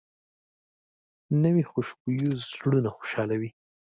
نوې خوشبويي زړونه خوشحالوي